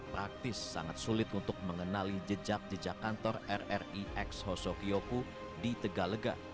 praktis sangat sulit untuk mengenali jejak jejak kantor rri ex hosokioku di tegalega